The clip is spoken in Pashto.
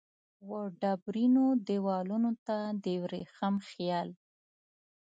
وډبرینو دیوالونو ته د وریښم خیال